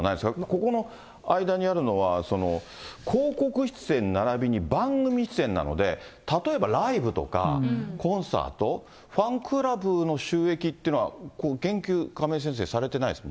ここの間にあるのは、広告出演ならびに番組出演なので、例えばライブとか、コンサート、ファンクラブの収益っていうのは、言及、亀井先生、されてないです